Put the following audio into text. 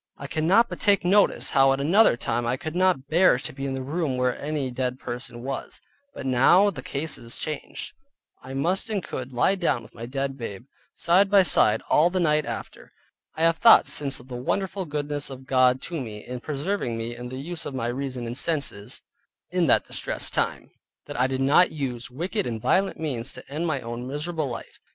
I cannot but take notice how at another time I could not bear to be in the room where any dead person was, but now the case is changed; I must and could lie down by my dead babe, side by side all the night after. I have thought since of the wonderful goodness of God to me in preserving me in the use of my reason and senses in that distressed time, that I did not use wicked and violent means to end my own miserable life.